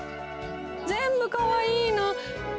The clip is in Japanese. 全部かわいいな。